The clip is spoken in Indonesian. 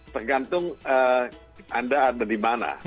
tergantung anda ada di mana